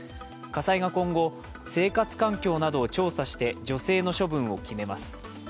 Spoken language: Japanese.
家裁が今後、生活環境などを調査して女性の処分を決めます。